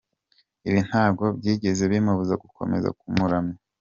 Ibi ntabwo byigeze bimubuza gukomeza kumuramya.